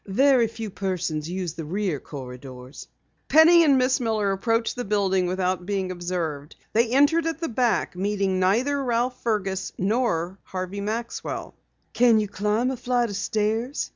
Very few persons use the rear corridors." Penny and Miss Miller approached the building without being observed. They entered at the back, meeting neither Ralph Fergus or Harvey Maxwell. "Can you climb a flight of stairs?"